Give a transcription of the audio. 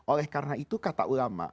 oleh karena itu kata ulama